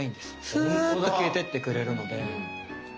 スーッと消えてってくれるので。